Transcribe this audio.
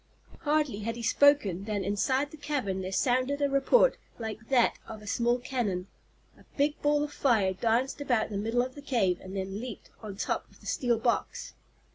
Hardly had he spoken than inside the cavern there sounded a report like that of a small cannon. A big ball of fire danced about the middle of the cave and then leaped on top of the steel box.